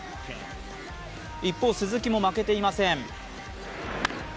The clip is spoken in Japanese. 一方、鈴木も負けていません。